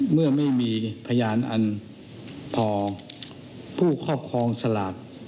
เมื่อไม่มีพยานอันพอผู้ครอบครองสลาก